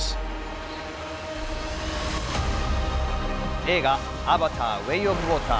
映画『アバター：ウェイ・オブ・ウォーター』。